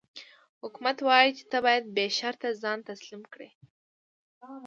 حکومت وايي چې ته باید بې شرطه ځان تسلیم کړې.